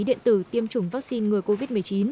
điện tử tiêm chủng vắc xin ngừa covid một mươi chín